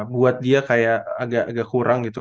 buat dia kayak agak kurang gitu